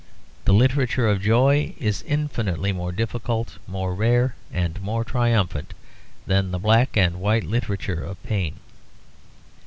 The literature of joy is infinitely more difficult, more rare and more triumphant than the black and white literature of pain.